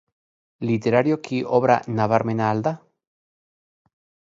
Literarioki obra nabarmena al da?